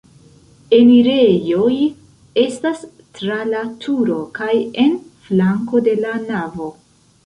Enirejoj estas tra la turo kaj en flanko de la navo.